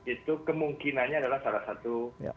itu kemungkinannya adalah salah satu